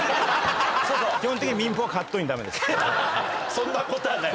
そんなことはない。